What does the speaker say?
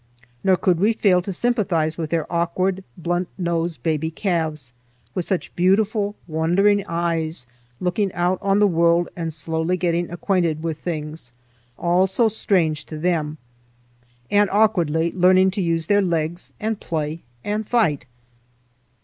Nor could we fail to sympathize with their awkward, blunt nosed baby calves, with such beautiful, wondering eyes looking out on the world and slowly getting acquainted with things, all so strange to them, and awkwardly learning to use their legs, and play and fight.